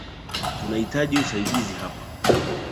Tunahitaji usaidizi hapa